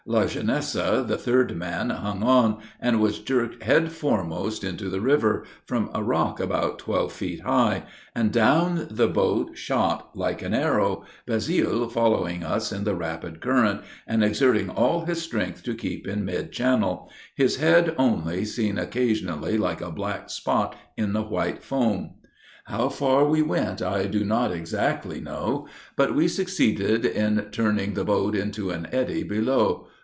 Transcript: Lajeunesse, the third man, hung on, and was jerked headforemost into the river, from a rock about twelve feet high; and down the boat shot, like an arrow, Bazil following us in the rapid current, and exerting all his strength to keep in mid channel his head only seen occasionally like a black spot in the white foam. How far we went, I do not exactly know; but we succeeded in turning the boat into an eddy below.